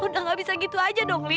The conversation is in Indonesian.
sudah tidak bisa begitu saja dong li